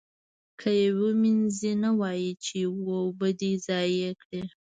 که یې ومینځي نو وایي یې چې اوبه دې ضایع کړې.